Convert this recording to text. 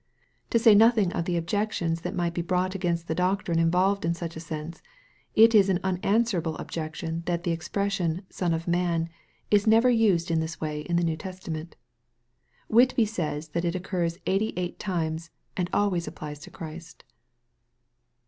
To say nothing of the ob iections that might be brought against the doctrine involved in such a sense, it is an unanswerable objection that the expression " son of man" is never used in this way in the New Testament. Whitby saya that it occurs eighty eight times, and always applies to Christ.